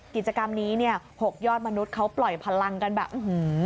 กิจกรรมนี้หกยอดมนุษย์เขาปล่อยพลังกันแบบ